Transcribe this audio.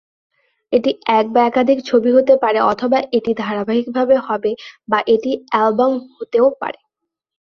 এটি এক বা একাধিক ছবি হতে পারে অথবা এটি ধারাবাহিক হবে বা এটি অ্যালবাম হতেও পারে।